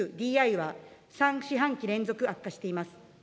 ＤＩは３四半期連続悪化しています。